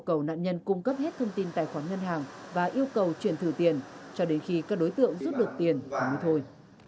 các đối tượng yêu cầu nạn nhân cung cấp hết thông tin tài khoản ngân hàng và yêu cầu chuyển thử tiền cho đến khi các đối tượng giúp được tiền và mới thôi